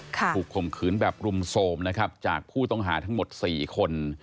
ข่มขืนแบบรุมโทรมนะครับจากผู้ต้องหาทั้งหมด๔คน